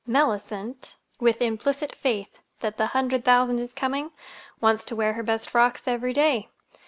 Mellicent, with implicit faith that the hundred thousand is coming wants to wear her best frocks every day.